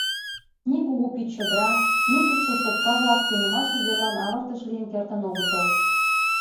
Ни кугу пич чодыра, ни кӱкшӧ сопка-влак сеҥымаш уверлан авыртыш лийын кертын огытыл.